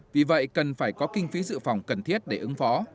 vì vậy cần phải có kinh phí dự phòng cần thiết để ứng phó